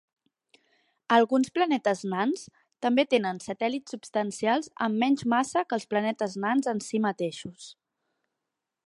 Alguns planetes nans també tenen satèl·lits substancials amb menys massa que els planetes nans en si mateixos.